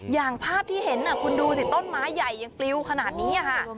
อย่างภาพที่เห็นคุณดูสิต้นไม้ใหญ่ยังปลิวขนาดนี้ค่ะ